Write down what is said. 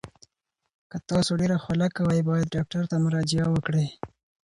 که تاسو ډیر خوله کوئ، باید ډاکټر ته مراجعه وکړئ.